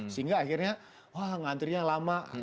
sehingga akhirnya wah ngantrinya lama